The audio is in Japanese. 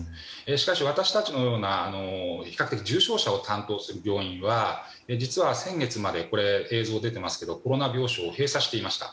しかし、私たちのような比較的重症者を担当する病院は実は先月まで、映像にありますがコロナ病床を閉鎖していました。